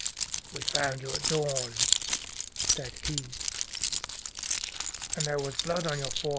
"We found you at dawn," said he, "and there was blood on your forehead and lips."